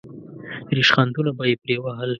ریشخندونه به یې پرې وهل.